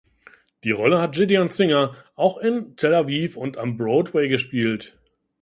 Die Rolle hat Gideon Singer auch in Tel Aviv und am Broadway gespielt.